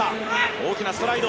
大きなストライド。